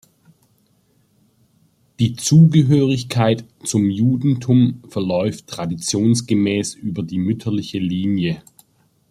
Die Zugehörigkeit zum Judentum verläuft traditionsgemäß über die mütterliche Linie.